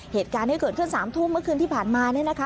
เหตุการณ์ที่เกิดขึ้น๓ทุ่มเมื่อคืนที่ผ่านมาเนี่ยนะคะ